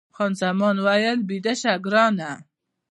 خان زمان وویل، بیده شه ګرانه.